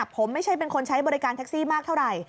ผมไม่ใช่เป็นคนใช้บริการแท็กซี่มากเท่าไหร่